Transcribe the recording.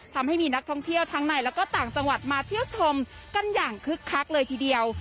ทำให้มีนักท่องเที่ยวทั้งในแล้วก็ต่างจังหวัดมาเที่ยวชมกันอย่างคึกคักเลยทีเดียว